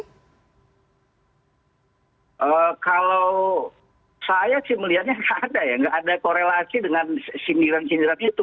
kalau saya sih melihatnya nggak ada ya nggak ada korelasi dengan sindiran sindiran itu